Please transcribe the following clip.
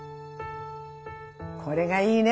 これがいいね